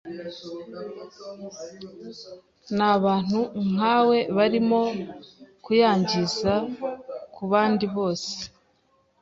Nabantu nkawe barimo kuyangiza kubandi bose.